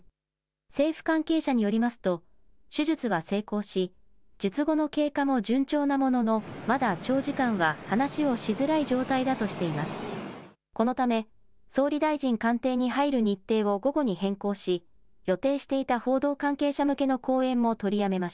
政府関係者によりますと手術は成功し術後の経過も順調なもののまだ長時間は話をしづらい状態だとしています。